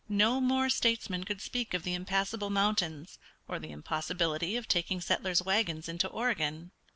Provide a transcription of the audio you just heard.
No more statesmen could speak of the impassable mountains or the impossibility of taking settlers' wagons into Oregon.